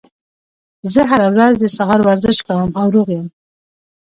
زه هره ورځ د سهار ورزش کوم او روغ یم